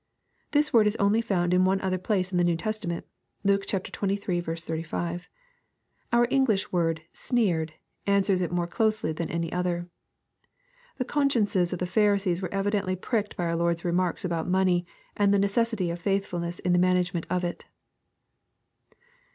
] This word is only found in one other place in the New Testament. (Luke xxiil 35.) Our English word " sneered," answers to it more closely than any other. The consciences of the Pharisees were evidently pricked by our Lord's remarks about money, and the necessity of faitlifulness in the management of it.